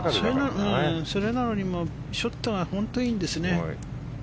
それなのにショットが本当にいいんですね。